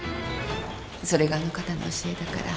それがあの方の教えだから。